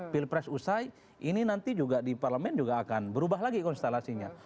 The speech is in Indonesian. pilpres usai ini nanti juga di parlemen juga akan berubah lagi konstelasinya